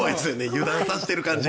油断させている感じが。